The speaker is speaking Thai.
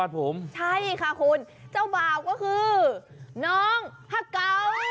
ใช่ค่ะคุณเจ้าบ่าวก็คือน้องฮาเก๋า